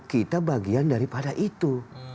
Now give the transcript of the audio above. kita bagian daripada itu